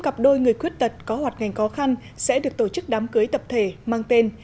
một trăm linh cặp đôi người khuyết tật có hoạt ngành khó khăn sẽ được tổ chức đám cưới tập thể mang tên